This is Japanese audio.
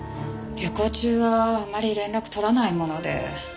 旅行中はあまり連絡とらないもので。